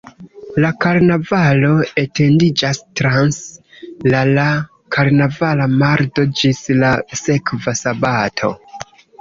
La karnavalo etendiĝas trans la la karnavala mardo ĝis la sekva "sabato".